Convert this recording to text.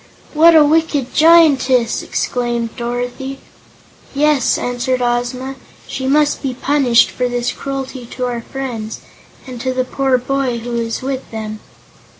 "What a wicked Giantess!" exclaimed Dorothy. "Yes," answered Ozma, "she must be punished for this cruelty to our friends, and to the poor boy who is with them."